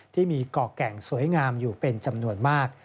ที่มีเกาะแก่งสวยงามอยู่เป็นจำนวนมาก